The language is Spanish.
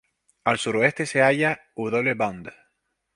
Al suroeste se halla W. Bond.